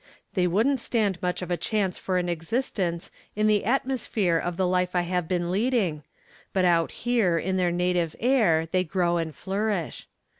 They wouldn't stand much of a chance for an existence in the atmos phere of the life I have been leading, but out here in their native air they grow and flourish.